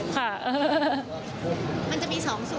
ครับผม